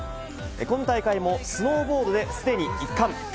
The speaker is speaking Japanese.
今大会もスノーボードで、すでに１冠。